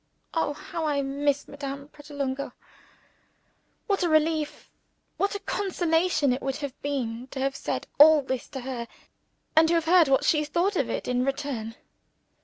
Oh, how I miss Madame Pratolungo! What a relief, what a consolation it would have been, to have said all this to her, and to have heard what she thought of it in return!